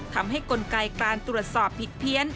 ทำให้กลไกการตรวจสอบผิดเพี้ยน